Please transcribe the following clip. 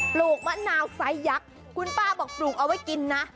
ลูกมะนาวไซสยักษ์คุณป้าบอกปลูกเอาไว้กินนะ